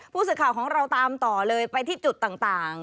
ผู้สื่อข่าวของเราตามต่อเลยไปที่จุดต่าง